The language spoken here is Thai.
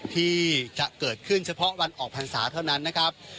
ที่จะเกิดขึ้นเฉพาะวันออกพรรษาเท่านั้นนะครับ